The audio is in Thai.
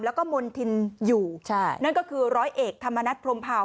แล้วก็มณฑินอยู่ใช่นั่นก็คือร้อยเอกธรรมนัฐพรมเผา